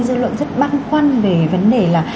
dư luận rất băng quan về vấn đề là